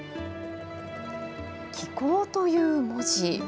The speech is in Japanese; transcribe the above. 奇巧という文字。